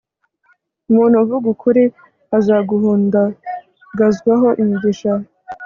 umuntu uvuga ukuri azahundagazwaho imigisha